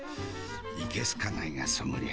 いけすかないがソムリエ